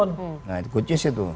nah itu kucis itu